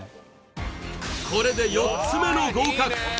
これで４つ目の合格